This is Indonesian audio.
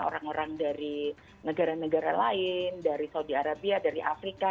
orang orang dari negara negara lain dari saudi arabia dari afrika